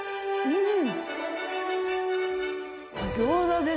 うん！